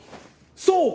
そう！